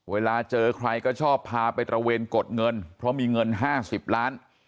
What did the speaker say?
เวลาเจอใครก็ชอบพาไปตระเวนกดเงินเพราะมีเงิน๕๐ล้าน